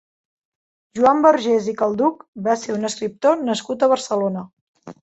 Joan Vergés i Calduch va ser un escriptor nascut a Barcelona.